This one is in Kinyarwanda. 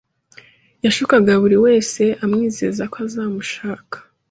Yashukaga buri wese amwizeza ko azamushaka